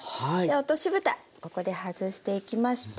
落としぶたここで外していきまして